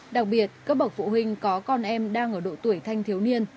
đặc biệt các bậc phụ huynh có con em đang ở độ tuổi thanh thiếu niên